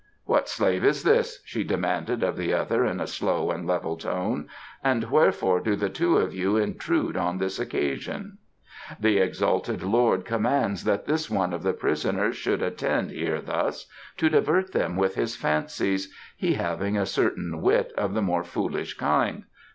"What slave is this," she demanded of the other in a slow and level tone, "and wherefore do the two of you intrude on this occasion?" "The exalted lord commands that this one of the prisoners should attend here thus, to divert them with his fancies, he having a certain wit of the more foolish kind.